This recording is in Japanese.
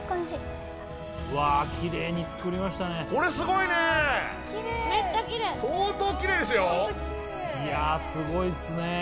いやすごいっすね。